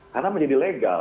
karena menjadi legal